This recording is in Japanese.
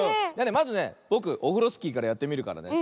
まずねぼくオフロスキーからやってみるからね。